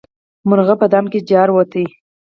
مرغه په دام کې جارووت.